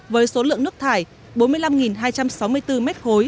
với số lượng nước thải bốn mươi năm hai trăm sáu mươi bốn m ba